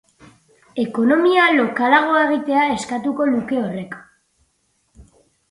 Ekonomia lokalagoa egitea eskatuko luke horrek.